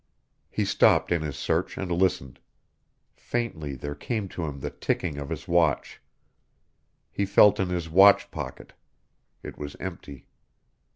He stopped in his search and listened. Faintly there came to him the ticking of his watch. He felt in his watch pocket. It was empty.